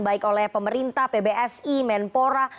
baik oleh pemerintah pbsi menpora